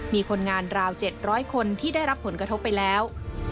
มีคนงานราว๗๐๐คนที่ได้รับผลกระทบไปแล้ว